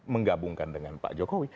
menggabungkan dengan pak jokowi